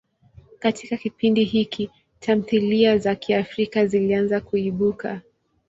Katika kipindi hiki, tamthilia za Kiafrika zilianza kuibuka.